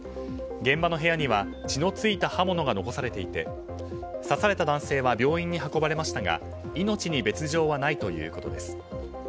現場の部屋には血の付いた刃物が残されていて刺された男性は病院に運ばれましたが命に別条はないということです。